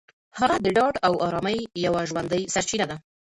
هغه د ډاډ او ارامۍ یوه ژوندۍ سرچینه ده.